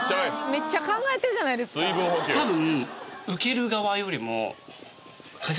めっちゃ考えてるじゃないですかごめんなさい何を？